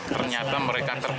ternyata mereka tertentu